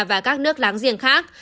và các nước láng giềng khác